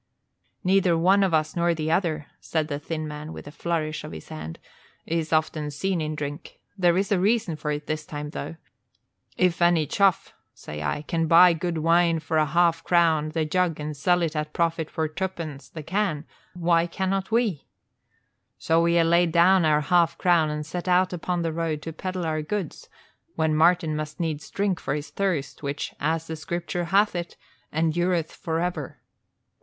"Neither one of us nor the other," said the thin man, with a flourish of his hand, "is often seen in drink. There is a reason for it this time, though. 'If any chuff,' say I, 'can buy good wine for a half crown the jug and sell it at profit for tuppence the can, why cannot we?' So we ha' laid down our half crown and set out upon the road to peddle our goods, when Martin must needs drink for his thirst, which, as the Scripture hath it, endureth forever.